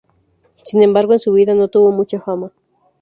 Sin embargo, en su vida no tuvo mucha fama.